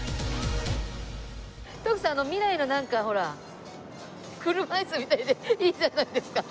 徳さんあの未来のなんかほら車椅子みたいでいいじゃないですかあれ。